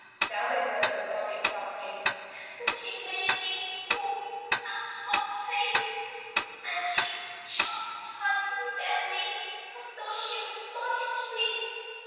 The other child was sobbing softly. "But she made me, oh, such a face! And she chopped her teeth at me just as though she'd bite me!